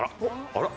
あら！